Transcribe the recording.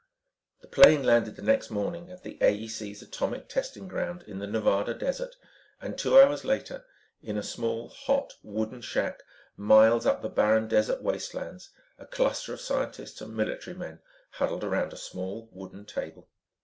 The plane landed the next morning at the AEC's atomic testing grounds in the Nevada desert and two hours later, in a small hot, wooden shack miles up the barren desert wastelands, a cluster of scientists and military men huddled around a small wooden table.